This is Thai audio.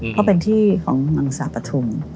เพราะเป็นที่ของอังศาสปฐุม